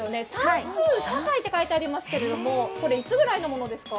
算数、社会と書いてありますけれども、いつぐらいのものですか？